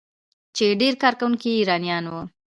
چې ډیری کارکونکي یې ایرانیان وو.